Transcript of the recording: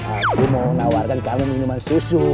aku mau nawarkan kami minuman susu